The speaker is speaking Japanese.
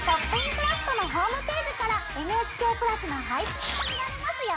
クラフト」のホームページからＮＨＫプラスの配信が見られますよ。